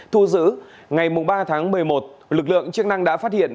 thu giữ ngày ba tháng một mươi một lực lượng chức năng đã phát hiện